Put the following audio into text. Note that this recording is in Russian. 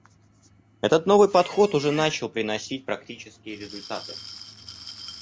Этот новый подход уже начал приносить практические результаты.